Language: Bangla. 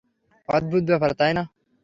অদ্ভুত ব্যাপার, তাই না?